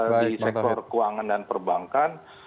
di sektor keuangan dan perbankan